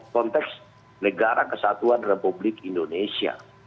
konteks negara kesatuan republik indonesia